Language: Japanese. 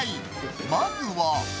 まずは。